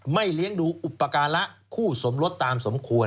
เลี้ยงดูอุปการะคู่สมรสตามสมควร